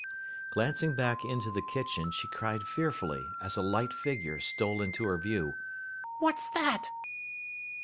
Glancing back into the kitchen, she cried fearfully, as a light figure stole into her view, 'What's that!